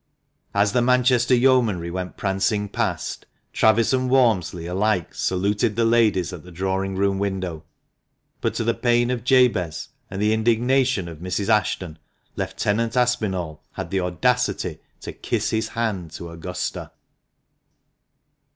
As the Manchester Yeomanry went prancing past, Travis and Walmsley alike saluted the ladies at the drawing room window, but to the pain of Jabez and the indignation of Mrs. Ashton, Lieutenant Aspinall had the audacity to kiss his hand to Augusta.